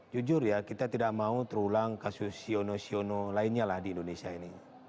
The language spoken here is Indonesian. jujur ya kita tidak mau terulang kasus siono siono lainnya lah di indonesia ini